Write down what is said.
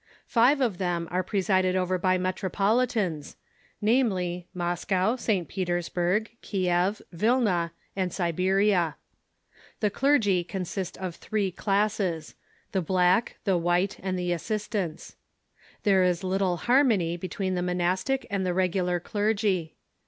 Five of them are presided over by metropolitans, THE EUSSO GREEK CHURCH 345 namely, Moscow, St. Petersburg, Kiev, Vilna, and Siberia, The clergy consist of three classes — the black, the white, and the assistants. There is little harmony between the monastic and the regular clergy.